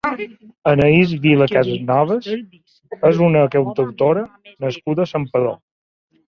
Anaïs Vila Casanovas és una cantautora nascuda a Santpedor.